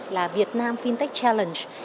là việt nam fintech challenge